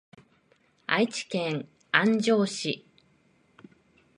愛知県安城市